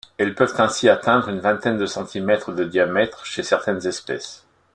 Elles peuvent ainsi atteindre une vingtaine de centimètres de diamètre chez certaines espèces.